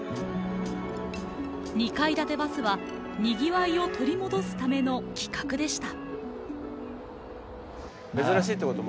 ２階建てバスはにぎわいを取り戻すための企画でした。